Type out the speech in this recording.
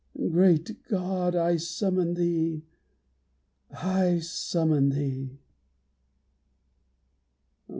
Great God, I summon Thee! I summon Thee!